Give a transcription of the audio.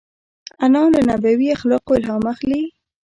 انا له نبوي اخلاقو الهام اخلي